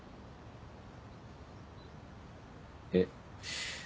えっ。